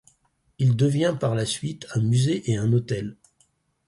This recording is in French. Il devient par la suite un musée et un hôtel.